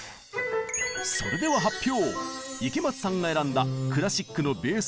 それでは発表！